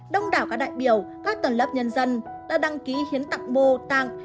đông đảo các đại biểu các tầng lớp nhân dân đã đăng ký hiến tạng mô tạng